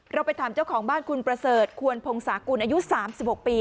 ไปถามเจ้าของบ้านคุณประเสริฐควรพงศากุลอายุ๓๖ปี